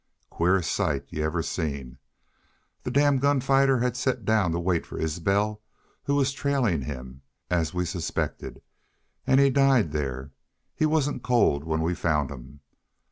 Queerest sight y'u ever seen! The damn gunfighter had set down to wait for Isbel, who was trailin' him, as we suspected an' he died thar. He wasn't cold when we found him....